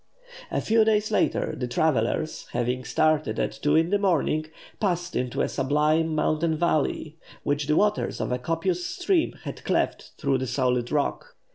A few days later, the travellers, having started at two in the morning, passed into a sublime mountain valley, which the waters of a copious stream had cleft through the solid rock.